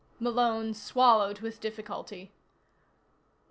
Malone swallowed with difficulty.